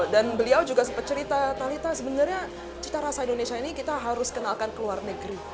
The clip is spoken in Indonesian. dan beliau juga pernah menceritakan bahwa kita harus mengenalkan rasa indonesia ke luar negeri